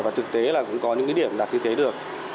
và thực tế là cũng có những cái điểm là như thế được